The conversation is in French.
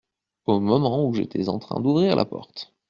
Au moment où j’étais en train d’ouvrir la porte.